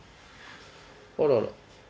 あらら。